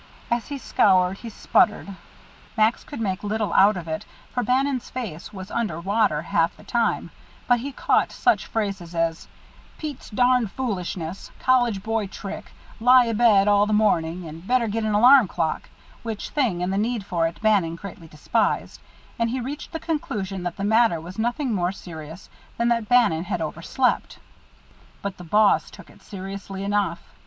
As he scoured he sputtered. Max could make little out of it, for Bannon's face was under water half the time, but he caught such phrases as "Pete's darned foolishness," "College boy trick," "Lie abed all the morning," and "Better get an alarm clock" which thing and the need for it Bannon greatly despised and he reached the conclusion that the matter was nothing more serious than that Bannon had overslept. But the boss took it seriously enough.